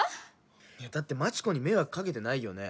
だって、真知子に迷惑かけてないよね？